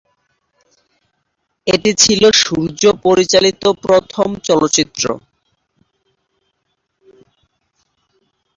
এটি ছিলো সূর্য পরিচালিত প্রথম চলচ্চিত্র।